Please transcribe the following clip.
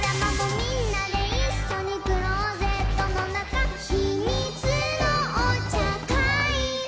「みんなでいっしょにクローゼットのなか」「ひみつのおちゃかい」